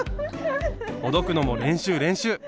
ほどくのも練習練習！